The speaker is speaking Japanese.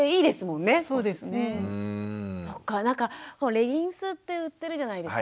レギンスって売ってるじゃないですか。